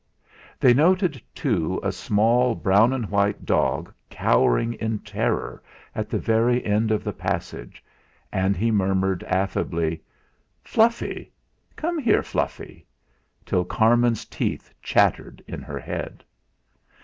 They noted, too, a small brown and white dog cowering in terror at the very end of the passage, and he murmured affably: "Fluffy! Come here, Fluffy!" till Carmen's teeth chattered in her head.